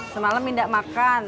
semalam indah makan